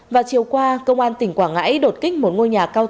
vào chiều qua công an tỉnh quảng ngãi đột kích một ngôi nhà cao tù